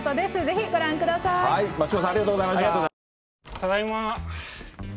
ただいま。